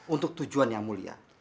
untuk tujuan yang mulia